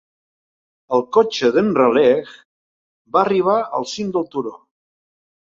El cotxe d"en Raleigh va arribar al cim del turó.